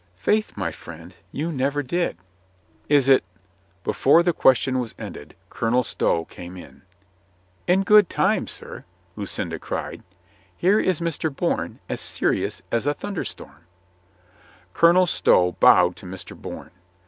"Faith, my friend, you never did." ROYSTON BREAKS HIS SWORD 141 "Is it— " Before the question was ended Colonel Stow came in. "In good time, sir," Lucinda cried. "Here is Mr. Bourne as serious .as a thunderstorm." Colonel Stow bowed to Mr. Bourne.